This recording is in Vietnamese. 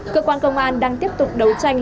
cơ quan công an đang tiếp tục đấu tranh